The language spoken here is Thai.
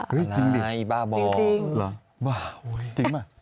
เฮ้ยจริงดิบ้าบอม